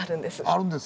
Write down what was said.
あるんですか？